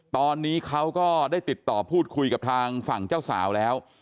ตอนนี้เขาก็ได้ติดต่อพูดคุยกับทางฝั่งเจ้าสาวแล้ว